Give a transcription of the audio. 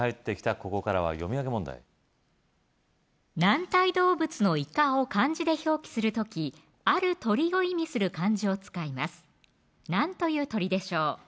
ここからは読み上げ問題軟体動物のイカを漢字で表記する時ある鳥を意味する漢字を使います何という鳥でしょう